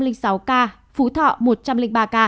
phú thọ một trăm linh ba ca